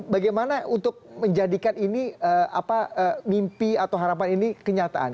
bagaimana untuk menjadikan ini mimpi atau harapan ini kenyataan